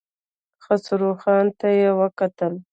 خسرو خان ته يې وکتل.